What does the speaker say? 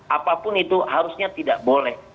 apapun itu harusnya tidak boleh